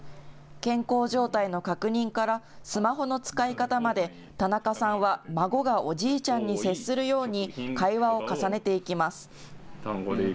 健康状態の確認から、スマホの使い方まで、田中さんは孫がおじいちゃんに接するように、会話を重ねていきます。